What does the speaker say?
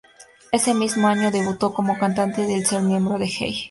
El mismo año debutó como cantante al ser miembro de Hey!